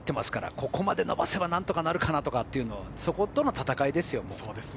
ここまで伸ばせばなんとかなるっていうところとの戦いです。